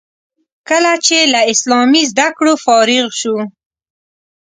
کله چې له اسلامي زده کړو فارغ شو.